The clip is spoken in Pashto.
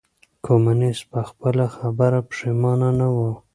کمونيسټ په خپله خبره پښېمانه نه و.